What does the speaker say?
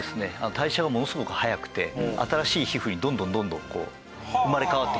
代謝がものすごく速くて新しい皮膚にどんどんどんどん生まれ変わっていく。